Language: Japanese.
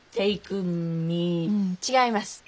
違います。